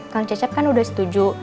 kang cecep kan udah setuju